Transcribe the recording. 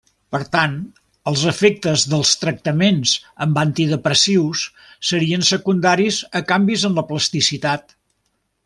Per tant, els efectes dels tractaments amb antidepressius serien secundaris a canvis en la plasticitat.